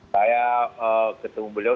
saya ketemu beliau